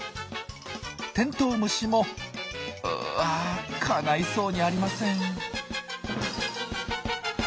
テントウムシもうわかないそうにありません。